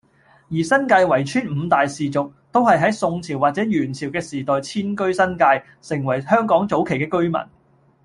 而新界圍村五大氏族，都係喺宋朝或者元朝嘅時代遷居新界，成為香港早期嘅居民